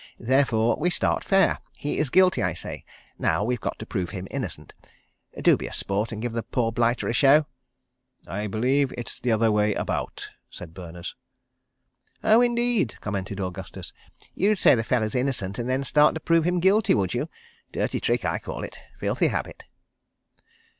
Therefore we start fair. He is Guilty, I say. Now we've got to prove him Innocent. Do be a sport, and give the poor blighter a show." "I b'lieve it's the other way about," said Berners. "Oh, indeed!" commented Augustus. "You'd say the feller's innocent and then start in to prove him guilty, would you? ... Dirty trick, I call it. Filthy habit."